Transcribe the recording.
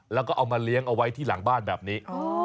แล้วก็เอามาเลี้ยงเอาไว้ที่หลังบ้านแบบนี้